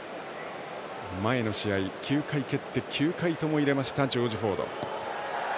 前の試合、９回蹴って９回とも入れましたジョージ・フォード。